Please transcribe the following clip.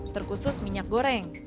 terkhusus minyak goreng